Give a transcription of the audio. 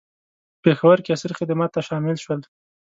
په پېښور کې عسکري خدمت ته شامل شو.